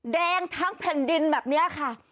แดงทั้งแผ่นดินแบบนี้ค่ะ